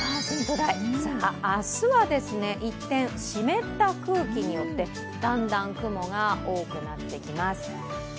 明日は一転、湿った空気によってだんだん雲が多くなってきます。